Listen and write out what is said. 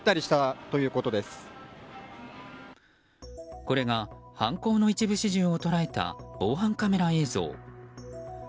これが犯行の一部始終を捉えた防犯カメラ映像。